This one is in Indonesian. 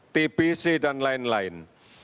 tbc dan lain lain